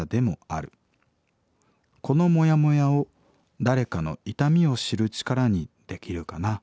このモヤモヤを誰かの痛みを知る力にできるかな。